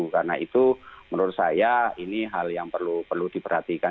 karena itu menurut saya ini hal yang perlu diperhatikan